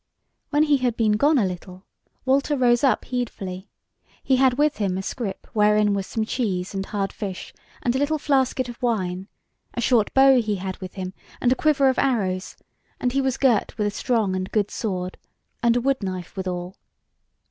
When he had been gone a little, Walter rose up heedfully; he had with him a scrip wherein was some cheese and hard fish, and a little flasket of wine; a short bow he had with him, and a quiver of arrows; and he was girt with a strong and good sword, and a wood knife withal.